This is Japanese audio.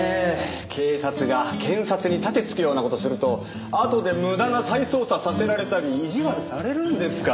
警察が検察に盾突くような事をするとあとで無駄な再捜査させられたり意地悪されるんですから。